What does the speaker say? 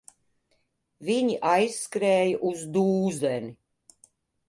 Viņi aizskrēja uz dūzeni.